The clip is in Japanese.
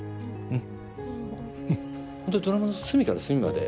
うん。